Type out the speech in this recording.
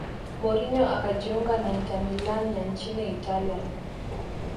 mourinho akajiunga na inter milan ya nchini italia